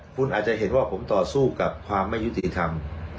คุณอาจจะเห็นว่าผมต่อสู้กับความไม่ยุติธรรม